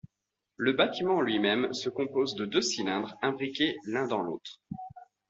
Le bâtiment en lui même se compose de deux cylindres, imbriqués l'un dans l'autre.